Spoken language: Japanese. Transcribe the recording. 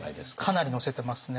かなり載せてますね。